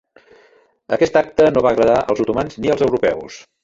Aquest acte no va agradar als otomans ni als europeus.